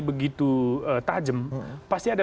begitu tajam pasti ada